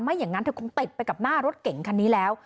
อย่างนั้นเธอคงติดไปกับหน้ารถเก่งคันนี้แล้ว